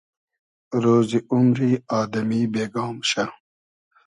رۉزی اومری آدئمی بېگا موشۂ